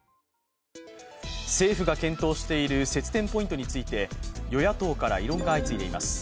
政府が検討している節電ポイントについて与野党から異論が相次いでいます。